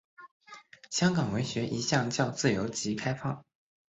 香港文学一向较自由及开放。